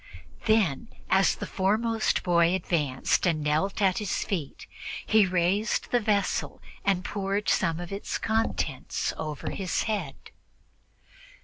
Then, as the foremost boy advanced and knelt at his feet, he raised the vessel and poured some of its contents over his head.